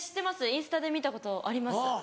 インスタで見たことあります。